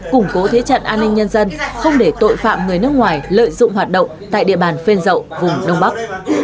củng cố thế trận an ninh nhân dân không để tội phạm người nước ngoài lợi dụng hoạt động tại địa bàn phên dậu vùng đông bắc